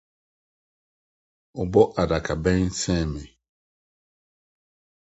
Ɔbɔ adakabɛn sen me.